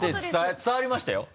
伝わりました？